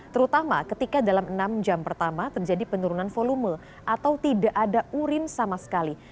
terutama ketika dalam enam jam pertama terjadi penurunan volume atau tidak ada urin sama sekali